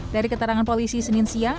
dari keterangan polisi senin siang